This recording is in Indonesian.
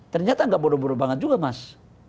ternyata nggak bodoh bodoh banget juga mas